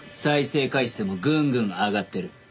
再生回数もぐんぐん上がってる。